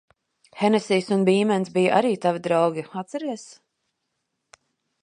Henesijs un Bīmens bija arī tavi draugi, atceries?